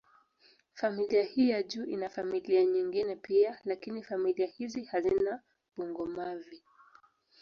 Familia hii ya juu ina familia nyingine pia, lakini familia hizi hazina bungo-mavi.